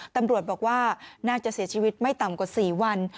ตำรวจบอกว่าน่าจะเสียชีวิตไม่ต่ำกว่า๔วัน